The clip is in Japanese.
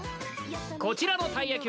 こちらのたい焼きは。